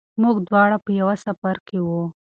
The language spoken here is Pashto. موږ دواړه په یوه سفر کې وو.